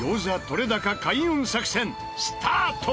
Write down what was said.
撮れ高開運作戦スタート！